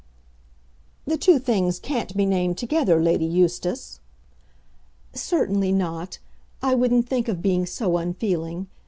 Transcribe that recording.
"The two things can't be named together, Lady Eustace." "Certainly not. I wouldn't think of being so unfeeling.